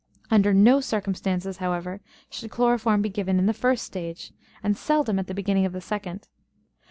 Under no circumstances, however, should chloroform be given in the first stage, and seldom at the beginning of the second.